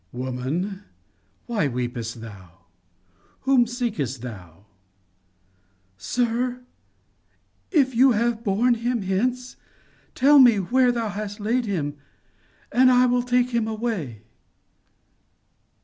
"'Woman, why weepest thou? Whom seekest thou?' "'Sir, if thou have borne him hence, tell me where thou hast laid him, and I will take him away.